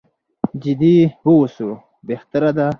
جدي واوسو بهتره ده.